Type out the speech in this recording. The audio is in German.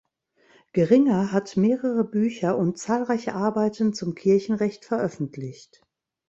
Geringer hat mehrere Bücher und zahlreiche Arbeiten zum Kirchenrecht veröffentlicht.